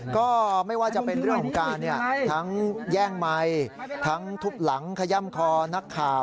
ก็ไม่ว่าจะเป็นเรื่องของการทั้งแย่งไมค์ทั้งทุบหลังขย่ำคอนักข่าว